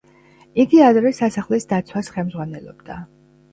იგი ადრე სასახლის დაცვას ხელმძღვანელობდა.